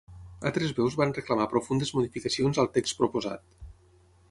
Altres veus van reclamar profundes modificacions al text proposat.